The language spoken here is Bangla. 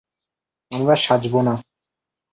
আমরা সাজব না!